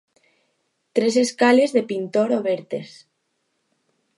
Tres escales de pintor obertes.